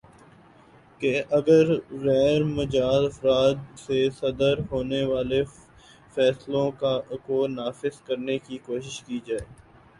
کہ اگرغیر مجاز افراد سے صادر ہونے والے فیصلوں کو نافذ کرنے کی کوشش کی جائے